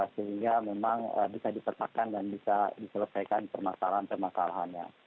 sehingga memang bisa dipetakan dan bisa diselesaikan permasalahan permasalahannya